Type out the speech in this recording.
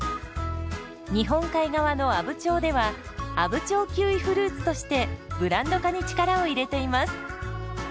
日本海側の阿武町では「阿武町キウイフルーツ」としてブランド化に力を入れています。